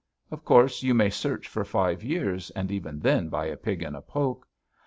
Of course you may search for five years, and even then buy a pig in a poke.